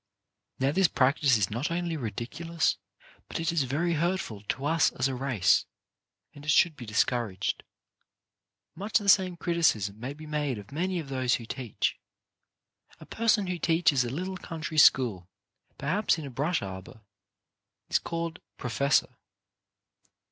Now this practice is not only ridicu lous, but it is very hurtful to us as a race, and it should be discouraged. Much the same criticism may be made of many 66 CHARACTER BUILDING of those who teach. A person who teaches a little country school, perhaps in a brush arbour, is called " Professor.